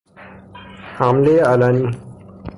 حملهی علنی